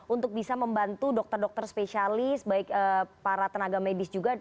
untuk bisa membantu dokter dokter spesialis baik para tenaga medis juga